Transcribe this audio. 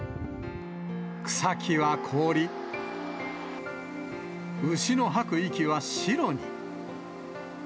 草木は凍り、牛の吐く息は白に。